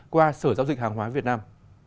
qua sở giao dịch hàng hóa việt nam